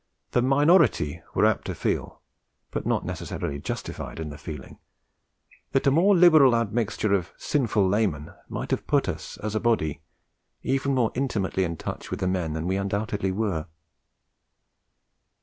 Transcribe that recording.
The minority were apt to feel, but were not necessarily justified in feeling, that a more liberal admixture of 'sinful laymen' might have put us, as a body, even more intimately in touch with the men than we undoubtedly were.